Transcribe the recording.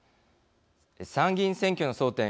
参議院選挙の争点